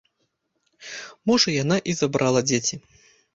Можа яна і забрала дзеці.